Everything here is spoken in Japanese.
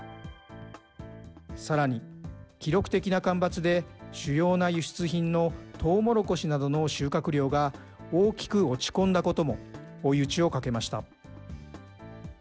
さらに、記録的な干ばつで主要な輸出品のトウモロコシなどの収穫量が大きく落ち込んだことも追い打ちをかけました。